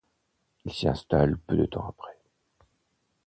Il s'y installe peu de temps après.